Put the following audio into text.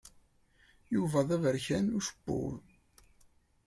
Yuba d aberkan ucebbub.